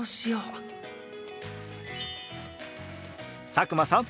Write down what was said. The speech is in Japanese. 佐久間さん